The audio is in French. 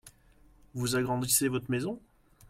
Vous agrandissez votre maison ?